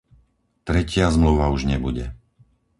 Tretia zmluva už nebude.